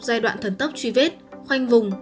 giai đoạn thần tốc truy vết khoanh vùng